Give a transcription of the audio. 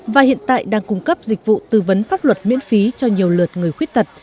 và hiện tại đang cung cấp dịch vụ tư vấn pháp luật miễn phí cho nhiều lượt người khuyết tật